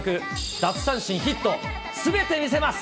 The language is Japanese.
奪三振、ヒット、すべて見せます。